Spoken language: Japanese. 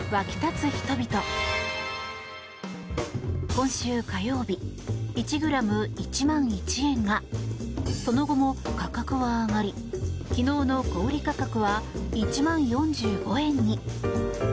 今週火曜日、１ｇ＝１万１円がその後も価格は上がり昨日の小売価格は１万４５円に。